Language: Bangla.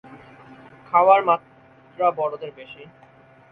খাওয়ার মাত্রা বড়দের বেশি।